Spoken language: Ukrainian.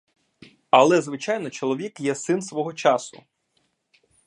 Але, звичайно, чоловік є син свого часу.